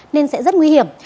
nên sẽ rất nguy hiểm